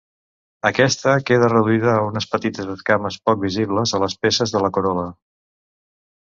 Aquesta queda reduïda a unes petites escames poc visibles a les peces de la corol·la.